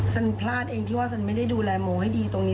พลาดเองที่ว่าฉันไม่ได้ดูแลโมให้ดีตรงนี้